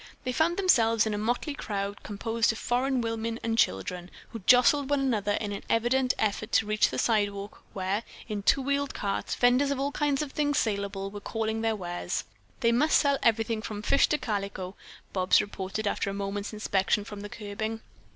They found themselves in a motley crowd composed of foreign women and children, who jostled one another in an evident effort to reach the sidewalk where, in two wheeled carts, venders of all kinds of things salable were calling their wares. "They must sell everything from fish to calico," Bobs reported after a moment's inspection from the curbing.